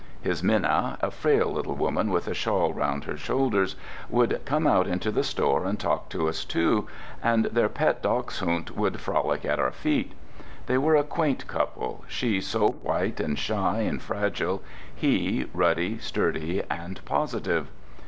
His Minna, a frail little woman with a shawl round her shoulders, would come out into the store and talk to us, too, and their pet dachshund would frolic at our feet. They were a quaint couple, she so white and shy and fragile; he ruddy, sturdy, and positive.